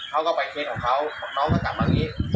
เขาก็ไปเครื่องของเขาน้องก็กลับมานี้